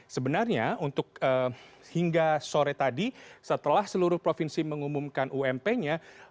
sebenarnya untuk hingga sore tadi setelah seluruh provinsi mengumumkan ump nya